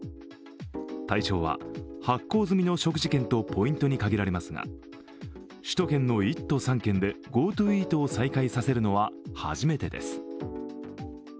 対象は発行済みの食事券とポイントに限られますが首都圏の１都３県でＧｏＴｏイートを再開させるのは初めてです。